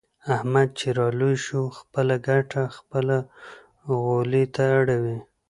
احمد چې را لوی شو. خپله ګټه خپل غولي ته راوړي.